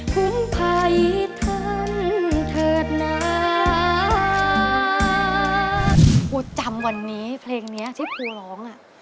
ภูจำวันนี้เพลงนี้ที่ภูร้อง